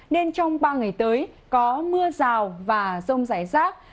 nên trong ba ngày tới có mưa rào và rông rải rác